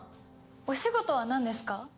お仕事はなんですか？